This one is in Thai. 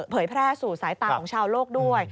แพร่สู่สายตาของชาวโลกด้วย